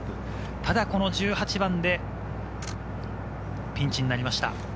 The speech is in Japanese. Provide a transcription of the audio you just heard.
ただ１８番でピンチになりました。